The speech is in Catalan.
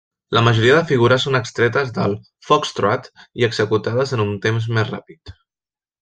La majoria de figures són extretes del foxtrot i executades en un temps més ràpid.